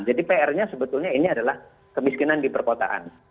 jadi pr nya sebetulnya ini adalah kemiskinan di perkotaan